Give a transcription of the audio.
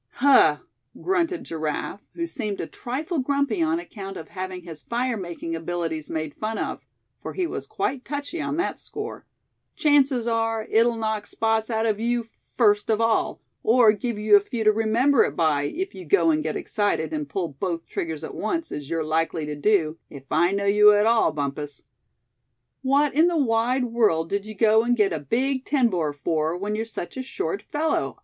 "Huh!" grunted Giraffe, who seemed a trifle grumpy on account of having his fire making abilities made fun of, for he was quite touchy on that score; "chances are, it'll knock spots out of you, first of all, or give you a few to remember it by, if you go and get excited, and pull both triggers at once, as you're likely to do, if I know you at all, Bumpus." "What in the wide world did you go and get a big ten bore for, when you're such a short fellow?"